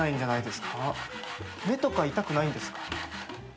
目とか痛くないんですか？